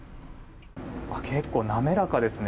結構、滑らかですね。